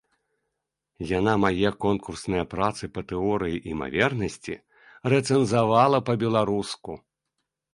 Яна мае конкурсныя працы па тэорыі імавернасці рэцэнзавала па-беларуску.